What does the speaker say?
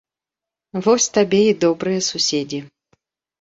Вось табе і добрыя суседзі.